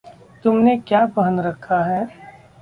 तुमने क्या पहन रखा है?